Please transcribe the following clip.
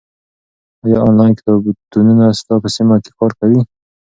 ایا آنلاین کتابتونونه ستا په سیمه کې کار کوي؟